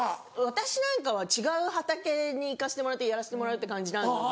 私なんかは違う畑に行かせてもらってやらせてもらうって感じなので。